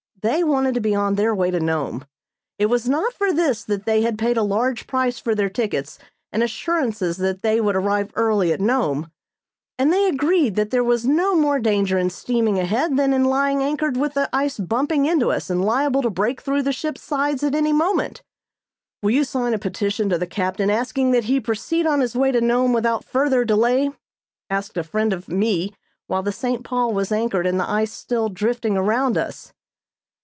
They wanted to be on their way to Nome. It was not for this that they had paid a large price for their tickets and assurances that they would arrive early at Nome; and they agreed that there was no more danger in steaming ahead than in lying anchored with the ice bumping into us and liable to break through the ship's sides at any moment. "Will you sign a petition to the captain asking that he proceed on his way to Nome without further delay?" asked a friend of me while the "St. Paul" was anchored and the ice still drifting around us.